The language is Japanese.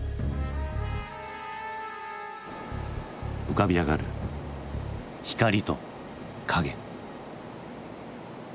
浮かび上がる光と影。